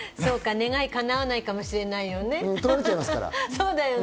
願いが叶わないかもしれないよね。